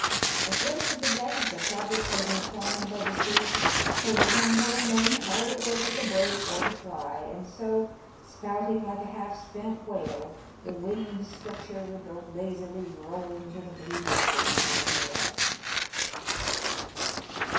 A glimpse of the deck as the fabric was inclined by the sea showed a handful of men hard at work at the brake or the fly, and so, spouting like a half spent whale, the winged structure would go lazily rolling into the blue distance of the horizon.